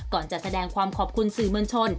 ก่อนจะแสดงความขอบคุณสื่อมวลชน